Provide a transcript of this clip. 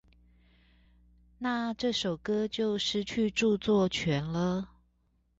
那這首歌就失去著作權了